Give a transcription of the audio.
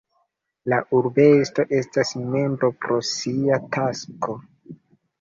La urbestro estas membro pro sia tasko.